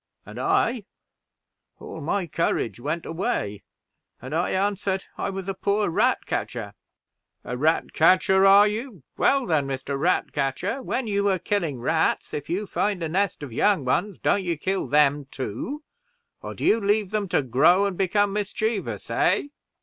and I all my courage went away, and I answered, I was a poor rat catcher. 'A rat catcher; are you? Well, then, Mr. Ratcatcher, when you are killing rats, if you find a nest of young ones, don't you kill them too? or do you leave them to grow, and become mischievous, eh?'